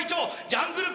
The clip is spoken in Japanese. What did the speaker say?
ジャングル